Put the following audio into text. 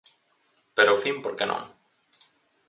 Pero ao fin, por que non?